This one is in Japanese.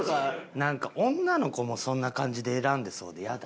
なんか女の子もそんな感じで選んでそうで嫌だ。